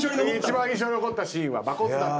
一番印象に残ったシーンは馬骨だと。